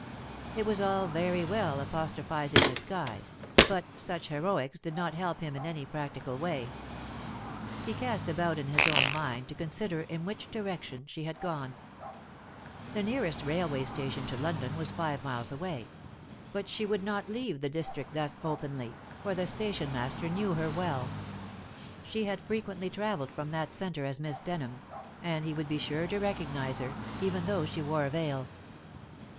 It was all very well apostrophizing the sky, but such heroics did not help him in any practical way. He cast about in his own mind to consider in which direction she had gone. The nearest railway station to London was five miles away; but she would not leave the district thus openly, for the stationmaster knew her well. She had frequently travelled from that centre as Miss Denham, and he would be sure to recognize her, even though she wore a veil.